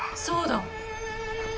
そうだ！